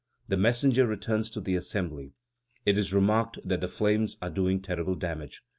The messenger returns to the Assembly. It is remarked that the flames are doing terrible damage.